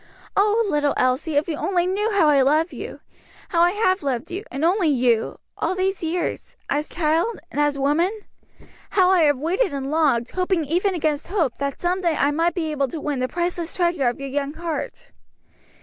Oh, little Elsie, if you only knew how I love you; how I have loved you, and only you, all these years as child and as woman how I have waited and longed, hoping even against hope, that some day I might be able to win the priceless treasure of your young heart."